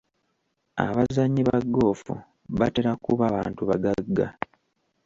Abazannyi ba ggoofu batera kuba bantu bagagga.